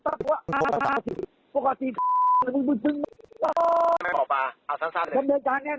กำลังการแจ้งเราไม่ควร